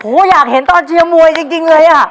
โอ้โหอยากเห็นตอนเชียร์มวยจริงเลยอ่ะ